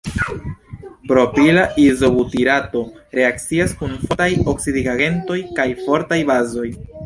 Propila izobutirato reakcias kun fortaj oksidigagentoj kaj fortaj bazoj.